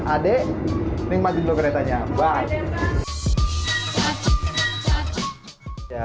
adek nikmati dulu keretanya bye